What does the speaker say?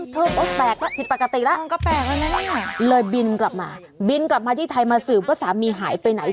เธอก็แปลกแล้วผิดปกติแล้วเลยบินกลับมาบินกลับมาที่ไทยมาสืบว่าสามีหายไปไหน